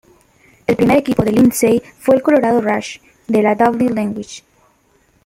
El primer equipo de Lindsey fue el Colorado Rush, de la W-League.